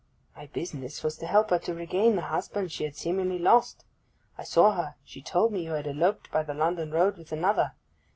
'My business was to help her to regain the husband she had seemingly lost. I saw her; she told me you had eloped by the London road with another.